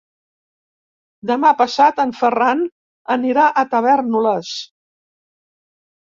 Demà passat en Ferran anirà a Tavèrnoles.